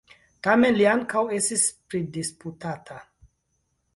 Tamen li ankaŭ estis pridisputata.